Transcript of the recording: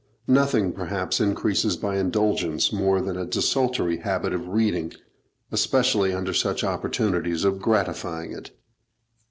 Nothing perhaps increases by indulgence more than a desultory habit of reading, especially under such opportunities of gratifying it.